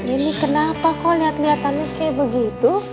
ini kenapa kok liat liatannya kayak begitu